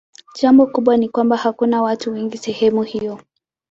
Jambo kubwa ni kwamba hakuna watu wengi sehemu hiyo.